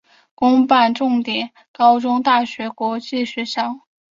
公办重点高中大学国际学校